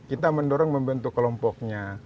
kita mendorong membentuk kelompoknya